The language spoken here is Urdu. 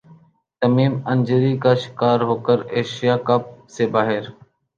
تمیم انجری کا شکار ہو کر ایشیا کپ سے باہر